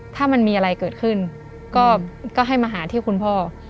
ถ้ามันมีอะไรเกิดขึ้นก็ให้มาหาที่คุณพ่อ